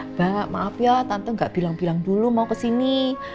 mbak maaf ya tante gak bilang bilang dulu mau kesini